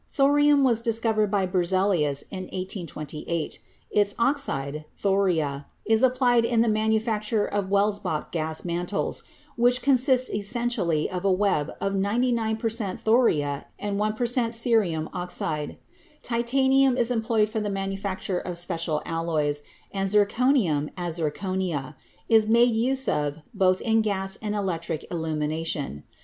Thorium was discovered by Berzelius in 1828; its oxide, thoria, is applied in the manu facture of Welsbach gas mantles, which consist essen tially of a web of 99 per cent, thoria and 1 per cent, cerium oxide. Titanium is employed for the manufacture of special alloys, and zirconium, as zirconia, is made use of both in gas and electric illumination.